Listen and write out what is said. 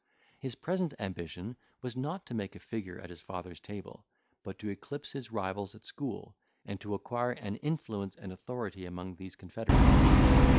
His present ambition was not to make a figure at his father's table, but to eclipse his rivals at school, and to acquire an influence and authority among these confederates.